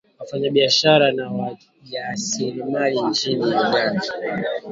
wafanyabiashara na wajasiriamali nchini Uganda